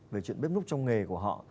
về chuyện bếp núp trong nghề của họ